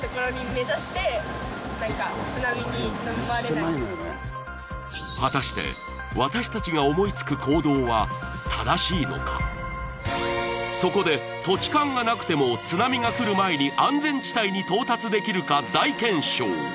今果たしてそこで土地勘がなくても津波がくる前に安全地帯に到達できるか大検証